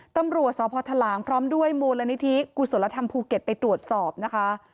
ตำรวจสพทหลางพร้อมด้วยมูลนิธิกุศลธรรมภูเก็ตไปตรวจสอบนะคะ